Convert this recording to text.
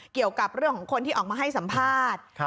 เกี่ยวกับเรื่องของคนที่ออกมาให้สัมภาษณ์